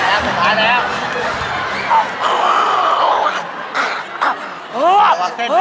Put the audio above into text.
ออกไปแล้ว